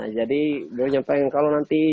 jadi beliau nyampaikan kalau nanti